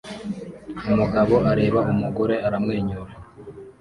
Umugabo areba umugore aramwenyura